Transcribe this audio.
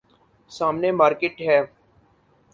سامنے مارکیٹ ہے۔